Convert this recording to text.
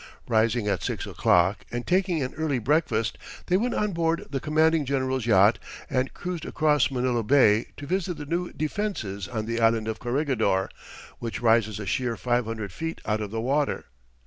Rising at six o'clock and taking an early breakfast, they went on board the commanding general's yacht and cruised across Manila Bay to visit the new defenses on the island of Corregidor, which rises a sheer five hundred feet out of the water.